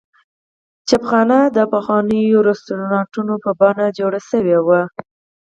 چایخانه د پخوانیو رسټورانټونو په بڼه جوړه شوې وه.